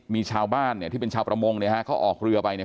มีชาวบ้านเนี่ยที่เป็นชาวประมงเนี่ยฮะเขาออกเรือไปเนี่ย